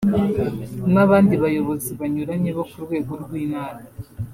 nabandi bayobozi banyuranye bo ku rwego rw’intara